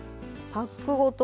パックごと？